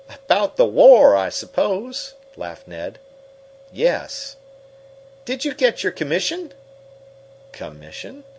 "About the war, I suppose?" laughed Ned. "Yes." "Did you get your commission?" "Commission?"